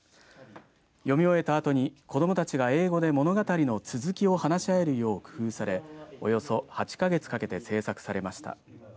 読み終えたあとに子どもたちが英語で物語の続きを話し合えるよう工夫されおよそ８か月かけて制作されました。